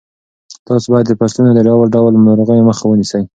تاسو باید د فصلونو د ډول ډول ناروغیو مخه ونیسئ.